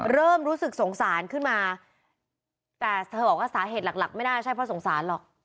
เริ่มรู้สึกสงสารขึ้นมาแต่เธอบอกว่าสาเหตุหลักหลักไม่น่าใช่เพราะสงสารหรอก